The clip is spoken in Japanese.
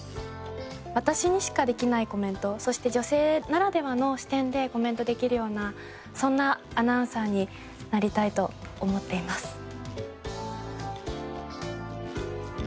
私にしかできないコメントそして女性ならではの視点でコメントできるようなそんなアナウンサーになりたいと思っています。